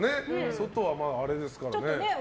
外はあれですから。